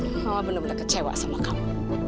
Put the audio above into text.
mama bener bener kecewa sama kamu